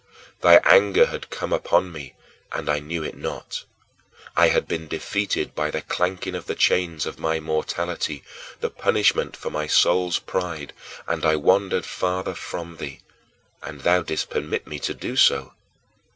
Thy anger had come upon me, and I knew it not. I had been deafened by the clanking of the chains of my mortality, the punishment for my soul's pride, and I wandered farther from thee, and thou didst permit me to do so.